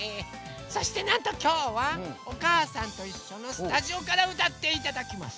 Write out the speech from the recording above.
そしてなんときょうは「おかあさんといっしょ」のスタジオからうたっていただきます。